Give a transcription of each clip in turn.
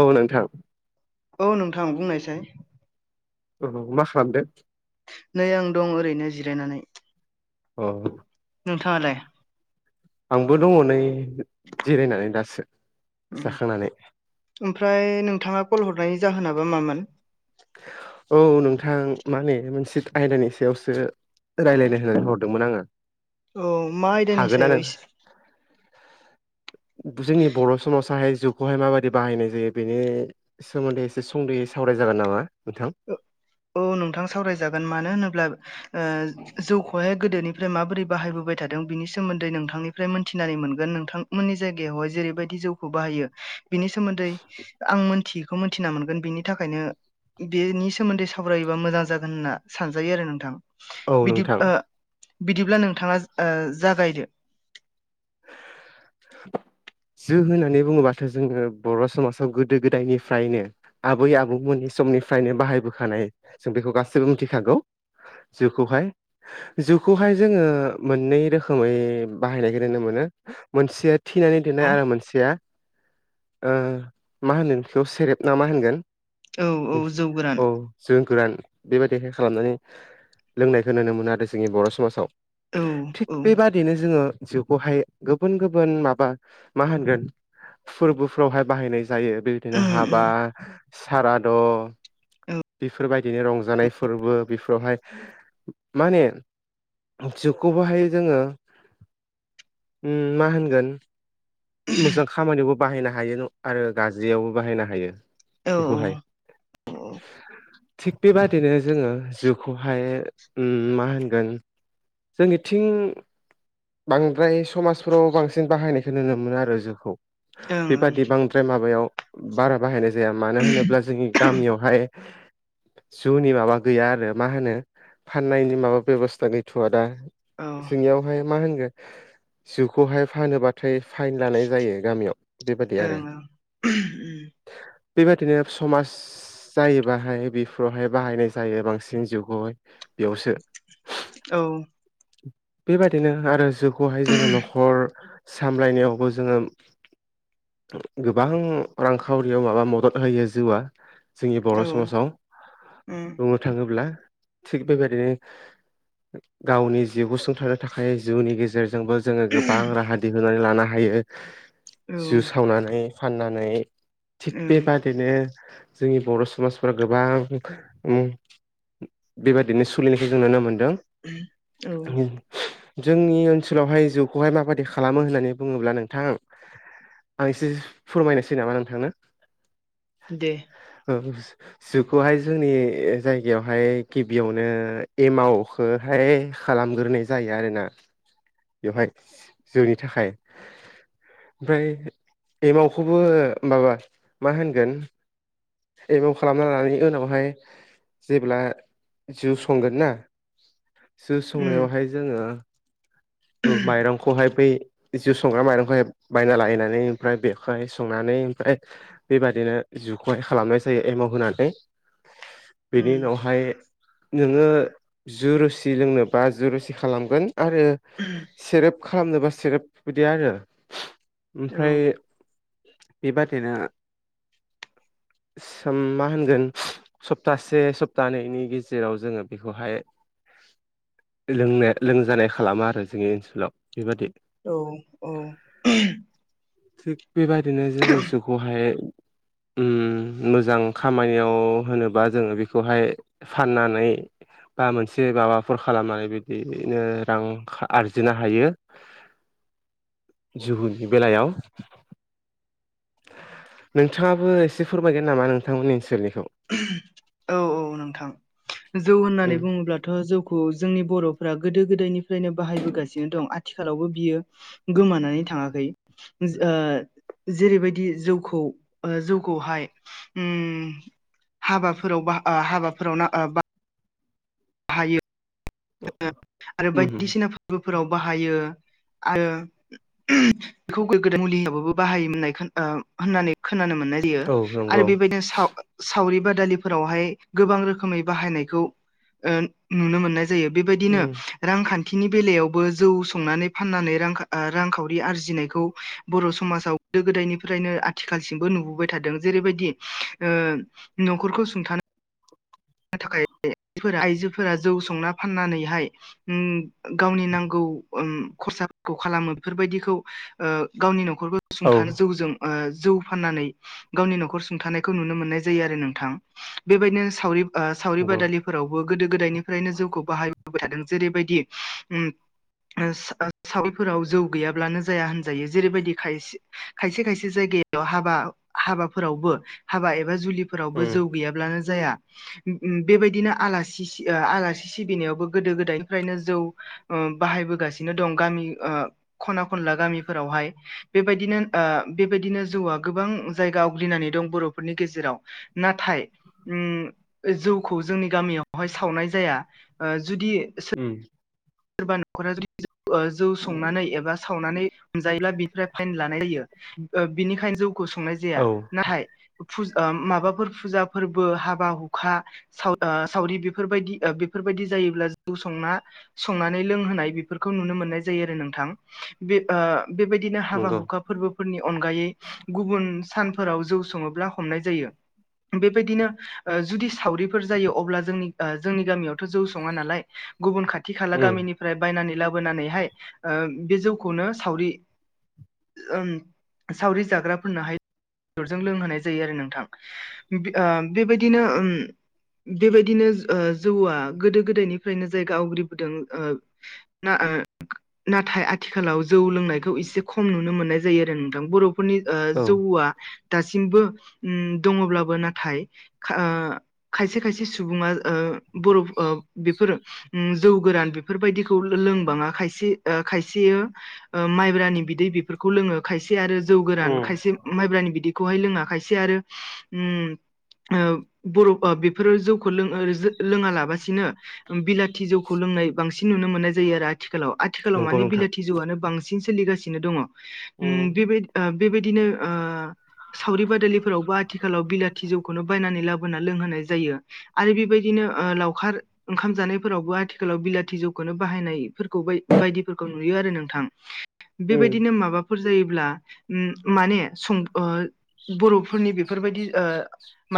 औ नोंथां। औ नोंथां बुंनायसाय। औ मा खालामदों? नै आं दं ओरैनो जिरायनानै‌। औ। नोंथाङालाय? आंबो दङ नै जिरायनानै दासो। ओम जाखांनानै ओमफ्राय नोंथाङा कल हरनायनि जाहोनाबा मामोन? औ नोंथां माने मोनसे आयदानि सायावसो रायलायनो होननानै हरदोंमोन आङो। अ मा आयदानि हागोना सायाव नों इसे [inaudible] जोंनि बर' समाजाहाय जौखौहाय माबायदि बाहायनाय जायो बेनि सोमोन्दै एसे सुंद'है सावराय जागोन नामा? नोंथां औ नोंथां सावरायजागोन मानो होनोब्ला ओ जौखौहाय गोदोनिफ्राय माबोरै बाहायबोबाय थादों बिनि सोमोन्दै नोंथांनिफ्राय मोनथिनानै मोनगोन। नोंथांमोननि जायगायावहाय जेरैबायदि जौखौ बाहायो बिनि सोमोन्दै आं मोनथियैखौ मोनथिनां मोनगोन बिनि थाखायनो बेनि सोमोन्दै सावरायोबा मोजां जागोन होनना सानजायो आरो नोंथां। औ बिदि नोंथां। ओ बिदिब्ला नोंथाङा ओ जागायदो। [inaudible] जौ होननानै बुङोबाथ' जोङो बर' समाजाव गोदो गोदायनिफ्रायनो आबै आबौमोननि समनिफ्रायनो बाहायबोखानाय जों बेखौ गासिबो मिथिखागौ‌। जौखौहाय जौखौहाय जोङो मोननै रोखोमै बाहायनायखो नुनो मोनो मोनसेया थिनानै औ दोननाय आरो मोनसेया ओ मा होनगोन बेखौ सेरेब ना मा होनगोन। औ औ जौ गोरान औ जौ गोरान बेबायदि बेेखे खालामनानै लोंनायखौ नुनो मोनो आरो जोंनि बर' समाजाव। औ थिग औ बेबादिनो जोङो जौखौहाय गुबुन गुबुन माबा मा होनगोन फोरबोफ्रावहाय बाहायनाय जायो बेबायदिनो उम हाबा उम साराद औ बेफोरबायदिनो रंजानाय फोरबो। बेफोरावहाय माने जौखौहाय जोङो ओम मा होनगोन मोजां खामानिबो बाहायनो हायो न आरो गाज्रियावबो बाहायनो हायो औ ओं बेखौहाय। औ थिग बेबादिनो जोङो जौखौहाय मा होनगोन जोंनिथिं बांद्राय समाजफोराव बांसिन बाहायनायखौ नुनो मोनो आरो जोखौ ओं बेबादि बांद्राय माबायाव बारा बाहायनाय जाया मानो होनोब्ला जोंनि गामियावहाय जौनि माबा गैया आरो मा होनो फाननायनि माबा बेबस्था गैथ'आ दा औ ओं सिंनियावहाय मा होन जिउखौहाय फानोब्लाथाय फाइन लानाय जायो गामियाव बेबादि आरो उम बे बायदिनो समाज जायोबाहाय बेफोरावहाय बाहायनाय जायो बांसिन जुगाव बेयावसो औ बेबायाददिनो आरो जौखौहाय जोङो न'खर सामलायनायावबो जोङो गोबां रांखावरियाव माबा मदद होयो जिउआ जोंनि औ बर' समाजाव बुंनो थाङोब्ला थिग बेबायदिनो गावनि जिउ गसुंथानो थाखाय जिउनि गेजेराव जोंबो जोङो गोबां राहा दिहुननानै लानो हायो जिउ सावनानै फाननानै थिग उम बेबादिनो जोंनि बर' समाजफोरा गोबां बेबायदिनो सोलिनायखौ जों नुनो मोन्दों औ जोंनि ओनसोलावहाय जौ खौहाय माबादि खालामो होननानै बुङोब्ला नोंथां आं एसे फोरमायनोसै नामा नोंथांनो दे जौ खौहाय जोंनि जायगायावहाय गिबियावनो एमावखौहाय खालामग्रोनाय जायो आरोना बेवहाय जौनि थाखाय ओमफ्राय एमावखौबो माबा मा होनगोन एमाव खालामना लानायनि उनावहाय जेब्ला जौ संगोन ना जौ उम संनायावहाय जोङो माइरंखौहाय बै जौ संग्रा माइंखौ बायना लायनानै [unintelligible] बेबाददिनो जुखौहाय खालामनाय जायो एमाव होनानै बेनि उम उनावहाय जु रोसि लोंनोबा जु रुसि खालामोन आरो सेरेब खालामनोबा सेरेब बिदि आरो औ ओमफ्राय बेबादिनो सोम मा होनगोन सप्तासे सप्तानैनि गेजेराव जोङो बेखौहाय लोंनाय लोंजानाय खालामा आरो जोंनि ओनसोलाव बेबादि औ औ थिग बेबायदिनो जोङो जौ खौहाय मोजां खामानियाव होनोबा जोङो बेखौहाय फाननानै बा मोनसे माबाफोर खालामनानै बिदिनो रां आरजिनो हायो जुहुनि बेलायाव नोंथाङाबो एसे फोरमायगोन नामा नोंथांमोननि ओनसोल नि औ औ नोंथां जौ होननानै उम बुङोब्लाथ' जौखौ जोंनि बर' गोदो गोदायनिफ्रायनो बाहायबोगासिनो दं आथिखालावबो बियो गोमानानै थाङाखै जेरैबायदि जौखौ जौखौहाय हाबाफोराव बा हाबाफोराव ना बा बाहायो आरो उम बायदिसिना फोरबोफोराव बाहायो आरो बेखौ गोदान मुलिबो बाहायोमोननाय होननानै खोनानो मोननाय जायो औ आरो नंगौ बेबायदिनो सावरि बाद दालिफोरावहाय गोबां रोखै बाहायनायखौ नुनो मोननाय जायो बेबायदिनो उम रांखान्थि खिनि बेलायावबो जौ संनानै फाननानै रां रांखावरि आरजिनायखौ बर' समाजाव गोदो गोदायनिफ्रायनो आथिखालसिमबो नुबोबाय थादों जेरैबायदि न'खरखौ सुंथानो नो थाखाय आइजोफोरा जौ संना फाननानैहाय गावनि नांगौ ख' फिसा खालामो बेफोरबायाददिखौ गावनि न'खरखौ औ सुंथानो जौजों जौ फाननानै गावनि न'खर सुंथानायखौ नुनो मोननाय जायो आरो नोंथां बेबायदिनो सावरि सावरि नंगौ बादालिफोरावबो गोदो गोदायनिफ्रायनो जौखौ बाहायबोबाय थादों जेरैबायदि साविफोराव जौ गैयाब्लानो जाया होनजायो जेरैबायदिाय खायसे खायसे जायग हाबा हाबाफोरावबो हाबा एबा जुलिफोरावबो उम जौ गैयाब्लानो जाया बेबायदिनो आलासि आलासि सिबिनायावबो गोदो गोदायनिफ्रायनो जौ बाहाय दं गामि खना खनला गामिफोरावहाय बेबायनो बेबायदिनो जौआ गोबां जायगा आवग्रिनानै दं बर'फोरनि गेजेराव नाथाय जौखौ जोंनि गामियावहाय सावनाय जाया ओ जुदि सो उम सोरबा नखरा जुदि जौ ओ जौ संनानै एबा सावनानै हमजायोब्ला बिनिफ्राय फाइन लानाय जायो ओ बिनिखायनो जौखौ संनाय जाया औ नाथाय फुजा ओ माबाफोर फुजा फोरबो हाबा हुखा साव ओ सावरि बेफोरबायदि ओ बेफोरबाय दि जायोब्ला जौ संना संनानै लोंहोनाय बेफोरखौ नुनो मोननाय जायो आरो नोंथां बे ओ बेबायदिनो हाबा नंगौ हुखा फोरबोफोरनि अनगायै गुबुन सानफोराव जौ सङोब्ला हमनाय जायो बेबायदिनो ओ जुदि सावरिफोर जायो अब्ला जोंनि ओ जोंनि गामियावथ जौ सङा नालाय गुबुन खाथि खाला उम गामिनिफ्राय बायनानै लाबो बोनानैहाय बे जौखौनो सावरि ओम सावरि जाग्राफोरनो हाय बेदरजों लोंहोनाय जायो आरो नोंथां ओ बेबायदिनो ओम बेबायदिनो ओ जौआ गोदो गोदायनिफ्रायनो जायगा आवग्रि बोदों ओ ना ओ नाथाय आथिखालाव जौ लोंनायखौ एसे खम नुनो मोनो जायो आरो नोंथां बरफोरनि ओ औ जौआ दासिमबो ओम दङब्लाबो नाथाय खा खायसे खायसे सुबुङा ओ बरफ ओ बेफोरो ओम जौ गोरान बेफोरबायदिखौ लो-लोंबाङा खायसे ओ खायसेयो ओ माइब्रानि बिदै बेफोरखौ खौ लोङो खायसे आरो जौ गोरान उम खायसे माइब्रानि बिदि खौहाय लोङा खायसे आरो ओम ओ बरफ ओ बेफोरो जौखौ लों ओ लोङा लाबासिनो ओम बिलाथि जौ खौ लोंनाय बांसिन नुनो मोननाय जायो आरो आथिखालाव आथिखालाव नंगौ माने नोंथां बिलाथि जौआनो बांसिन सोलिगासिनो दङ उम ओम बेबाय ओ बेबायदिनो ओ सावरि बादालिफोरावबो आथिखालाव बिला थि जौखौनो बायनानै लाबोना लोंहोनाय जायो आरो बेबायदिनो ओ लावखार ओंखाम जानायफोरावबो आथिखा खालाव बिलाथि जौखौनो बाहायनाय फोरखौ बाय-बायदिफोरखौ नुयो आरो नोंथां उम बेबायदिनो माबाफोर जायोब्ला ओम माने सं ओ बर'फोरनि बेफोरबादि ओ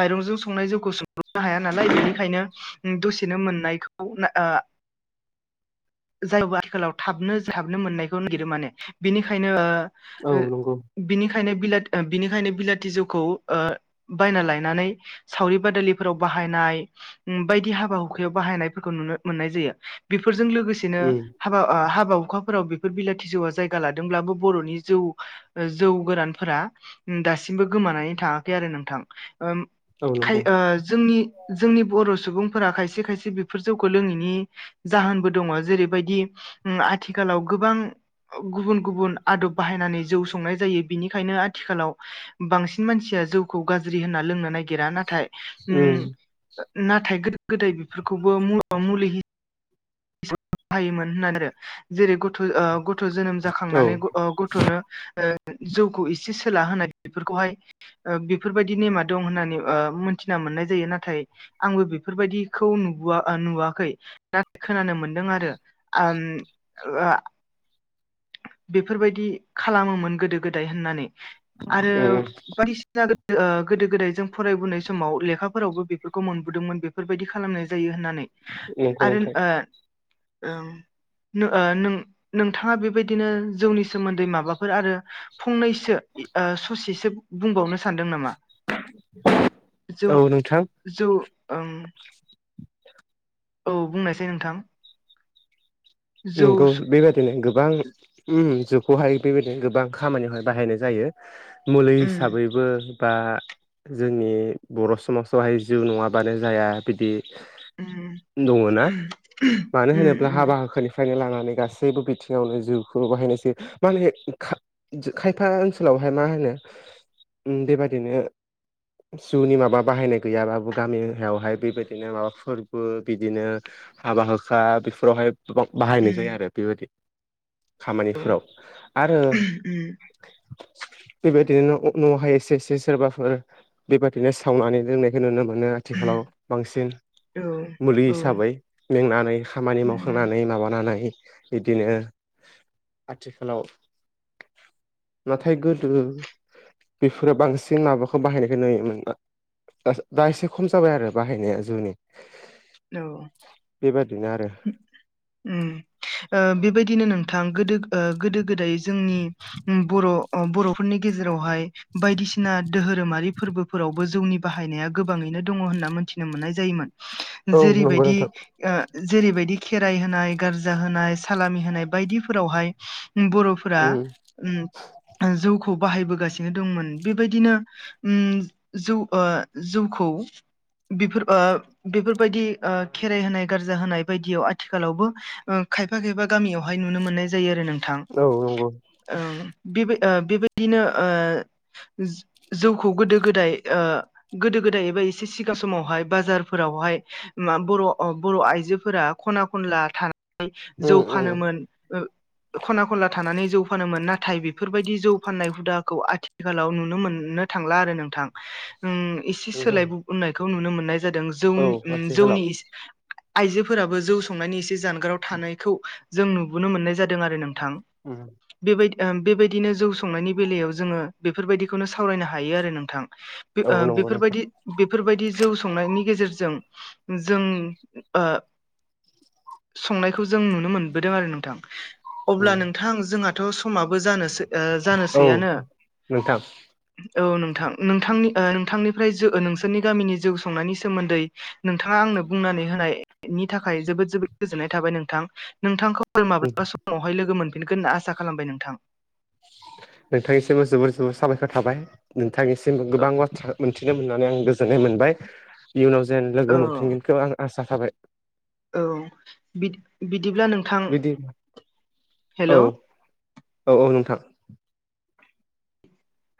माइरंजों संनाय जोंखौ संब्रबनो हाया नालाय बेनिखायनो दसेनो मोननायखौ ना ओ [inaudible] [unintelligible] आथिखालाव थाबनो थाबनो मोननायखौ नागिरो माने बिनिखायनो औ ओ नंगौ बिनिखा खायनो बिला ओ बिनिखायनो बिलाथि जौखौ ओ बायना लायनानै सावरि बादालिफोराव बाहाय बाहायनाय ओम बायदि हाबा हुखायाव बाहायनायफोरखौ नुनो मोननाय जायो बेफोरजों लोगोसेनो उम हाबा ओ हाब हाबा हुखाफोराव बेफोर बिलाथि जौआ जायगा लादोंब्लाबो बर'नि जौ ओ जौ गोरानफोरा दासिमबो गोमानानै थाङाखै आरो नोंथां ओम औ खाय नंगौ ओ जोंनि जोंनि बर सुबुंफोरा खायसे खायसे बेफोर जौखौ लोङैनि जाहोनबो दङ जेरैबायदि ओम आथिखालाव गोबां गुबुन गुबुन आदब बाहायनानै जौ संनाय जायो बिनिखायनो आथिखालाव बांसिन मानसिया जौखौ गाज्रि होनना लोंनो नागिरा ना नाथाय उम ओम नाथाय गोदो गोदाय बेफोरखौबो मु ओ मुलि हो बाहायोमोन होननानै आरो जेरै गथ ओ गथ गथ जोनोम औ जाखांनानै अ गथनो ओ जौखौ इसे सोला होनाय बेफोरखौहाय ओ बेफोरबायदि नेमा दं होननानै ओ मिनथिना मोननाय जायो नाथाय आंबो बेफोरबायदिखौ नुबोआ ओ नुवाखै ना खोनानो मोनदों आरो आम ओ आ बेफोरबायदि खालामोमोन गोदो गोदाय होननानै आरो उम बायदिसिना रो ओ गोदो गोदाय जों फरायबोनाय समाव लेखाफोरावबो बेफोरखौ मोनबोदोंमोन बेफोरबायदि खालामनाय जायो होनना नंगौ नोंथां [unintelligible] [inaudible] बेबायदिनो जौनि सोमोन्दै माबाफोर आरो फंनैसोओ स'सेसो बुंबावनो सानदों नामा? जौ औ नोंथां जौ ओं औ बुंनायसाइ नोंथां जौ नंगौ स बेबायदिनो गोबां ओमा जु खौहाय बेबायदिनो गोबां खामानियावहाय बाहायनाय जायो मुलि उम हिसाबैबो बा जोंनि बर' समाजावहाय जौउ नङाबानो जाया बिदि उम दङ ना उम मानो उम होनोब्ला हाबा हाखोनि नो लानानै गासैबो बिथिङावनो जिउखौलानानै बाहायनायजायो माने खा खायफा ओनसोलाव ओमफ्राय मा होननो बेबाददिनो आरो जौनि माबा बाहायनाय गैयाबाबो गामियावहाय बेबायदिनो माबा फोरबो बिदिनो हाबा हुखा बेफोरावहायां उम बाहायनाय जायो आरो बेबायदि खामानिफोराव आरो बेबायदिनो न'हाय एसे एसे सोरबाफोर बेबायदिनो सावनानै लोंनायखौ नुनो मोनो ओ आथिखालाव उम बांसिन औ मुलि औ हिसाबै मेंनानै खामानि मावखांनानै माबा बिदिनो आथिखालाव नथाय गोदो बेफोरो बांसिन माबाखौ बाहायनायखौ नुयोमोन दा दाएसे खम जाबाय आरो बाहायनाया जौनि औ बेबादिनो आरो ओम ओ बेबायदिनो नोंथां गोदो ओ गोदो गोदाय जोंनि बर'अ बर'फोरनि गेजेराव गेजेरावहाय बायदिसिना दोधोरोमारि फोरबोफोरावबो जौनि बाहायनाया गोबाङैनो दङ होनना मिथि नुनो मोननाय जायोमोन औ नंगौ नोंथां जेरैबायदिओ जेरैबायदि खेराइ होनाय गारजा होनाय सालामि होनाय बायदिफोरावहाय बर'फोरा उम ओम ओ जौखौ बाहायबोगासिनो दंमोन बेबायदिनो ओम जौओ जौखौ बेफोर ओ बेफोर बायदि खेर होनाय गारजा होनाय बायदियाव आथिखालावबो खायफा खायफा गामियावहाय नुनो मोननाय नाय जायो आरो नोंथां औ नंगौ ओम बेबो ओ बेबायदिनो ओ जौखौ गोदो गोदाय ओ गोदो गोदाय एबा एसे सिगां समावहाय बाजारफोरावहाय मा बर अ बर आइजोफोरा खना खनला थानानै जौ उम उम फानोमोन ओ खना खनला थानानै जौ फानोमोन नाथाय बेफोरबायदि जौ फाननाय हुदाखौ आथिखालाव नुनो मोननो थांला आरो नोंथां ओम एसे नंगौ सोलायबोनायखौ नुनो मोननाय जादों औ जौनि ओम आथिखालाव जौनि आइजोफोराबो जौ संनायनि एसे जानगाराव थानायखौ जों नुबोनो मोननाय जादों आरो नों थां उम बेबायदि ओ बेबायदिनो जौ संनायनि बेलायाव जोङो बेफोरबायदिखौनो सावरायनो हायो आरो नोंथां औ ओ नंगौ नोंथां बेफोरबायदि बेफोरबायदि जौ संनायनि गेजेरजों जों ओ संनायखौ जों नुनो मोनबोदों आरो नोंथां अब्ला उम नोंथां जोंहाथ समाबो जानोसै ओ औ जानोसैयानो नोंथां औ नोंथां नोंथांनि ओ नोंथांनिफ्राय नोंसोरनि गामिनि जौ संनायनि सोमोन्दै नोंथाङा आंनो बुंनानै होनायनि थाखाय जोबोद जोबोद गोजोननाय थाबाय नोंथां नोंथांखौ फोर उम। माब्लाबा समावहाय लोगो मोनफिनगोन होनना आसा खालामबाय नोंथां नोंथांनिसिमबो जोबोर जोबोर साबायखर थाबाय नों थां निसिमबो गोबां बाथ्रा मोनथिनो मोननानै आं गोजोन्नाय मोनबाय इयुनाव जेन औ लोगो मोनफिनगोनखौ आं आसा थाबाय औ बिदि बि बिदिब्ला नोंथां बिदि औ हेलौ औ औ नोंथां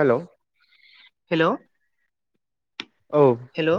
हेलौ हेलौ औ हेलौ